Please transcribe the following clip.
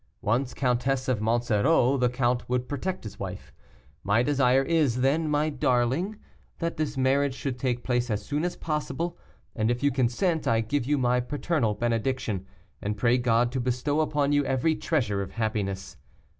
Once Countess of Monsoreau, the count would protect his wife. My desire is, then, my darling daughter, that this marriage should take place as soon as possible, and if you consent, I give you my paternal benediction, and pray God to bestow upon you every treasure of happiness.